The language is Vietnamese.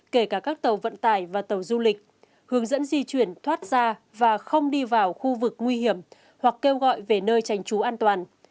kể cả các tàu vận tải và tàu du lịch hướng dẫn di chuyển thoát ra và không đi vào khu vực nguy hiểm hoặc kêu gọi về nơi tránh trú an toàn